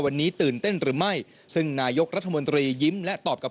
วันนี้ตื่นเต้นหรือไม่ซึ่งนายกรัฐมนตรียิ้มและตอบกับ